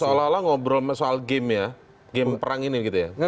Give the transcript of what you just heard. seolah olah ngobrol soal game ya game perang ini gitu ya